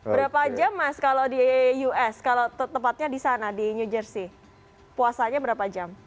berapa jam mas kalau di us kalau tepatnya di sana di new jersey puasanya berapa jam